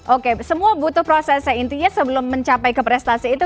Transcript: oke semua butuh prosesnya intinya sebelum mencapai ke prestasi itu